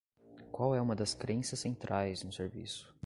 Qual é uma das crenças centrais no serviço?